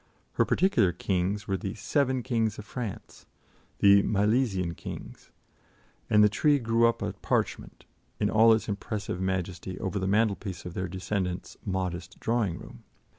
Her particular kings were the "seven kings of France" the "Milesian kings" and the tree grew up a parchment, in all its impressive majesty, over the mantelpiece of their descendant's modest drawing room.